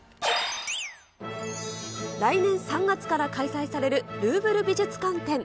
来年３月から開催されるルーヴル美術館展。